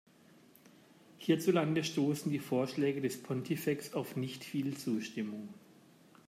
Hierzulande stoßen die Vorschläge des Pontifex auf nicht viel Zustimmung.